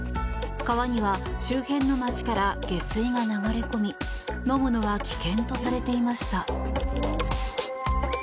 川には周辺の町から下水が流れ込み飲むのは危険とされていました。